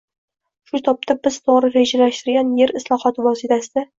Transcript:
Shu tobda biz to‘g‘ri rejalashtirilgan yer islohoti vositasida